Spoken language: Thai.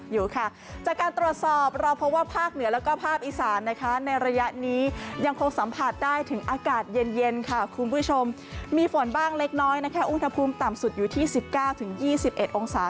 เย็นค่ะคุณผู้ชมมีฝนบ้างเล็กน้อยนะคะอุทธภูมิต่ำสุดอยู่ที่๑๙ถึง๒๑องศา